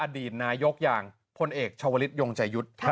อดีตนายกอย่างพลเอกชาวลิศยงใจยุทธ์